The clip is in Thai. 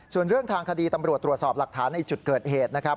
ส่วนเรื่องทางคดีตำรวจตรวจสอบหลักฐานในจุดเกิดเหตุนะครับ